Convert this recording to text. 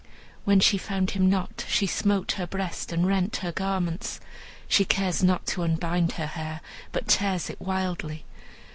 When she found him not, she smote her breast and rent her garments. She cares not to unbind her hair, but tears it wildly.